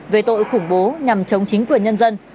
về tội khủng bố nhằm chống chính quyền nhân dân